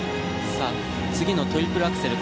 さあ次のトリプルアクセル